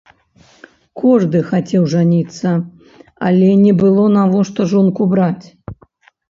Кожны хацеў жаніцца, але не было навошта жонку браць.